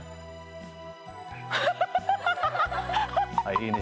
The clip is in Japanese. いいね。